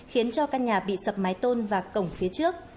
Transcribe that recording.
khiến cho căn nhà bị sập mái tôn và cổng phía trước